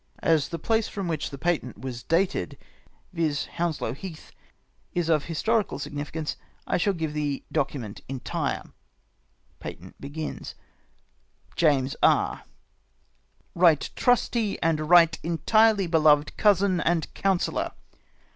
As the place from which the patent was dated, viz. Hounslow Heath, is of historical significance, I shall give the document entire :— "James E. " Eight trusty and right entirely beloved cousin and council lor